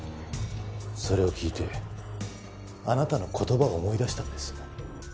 それを聞いてあなたの言葉を思い出したんです。